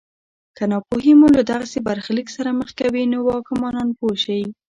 که ناپوهي مو له دغسې برخلیک سره مخ کوي نو واکمنان پوه شي.